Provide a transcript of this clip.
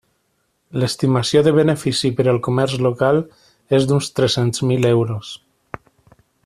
L'estimació de benefici per al comerç local és d'uns tres-cents mil euros.